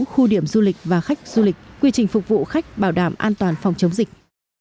khu điểm du lịch và khách du lịch quy trình phục vụ khách bảo đảm an toàn phòng chống dịch